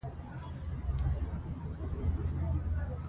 اور مې بل کړی دی.